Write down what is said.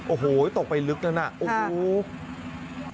โอ้โหตกไปลึกนั้นน่ะโอ้โห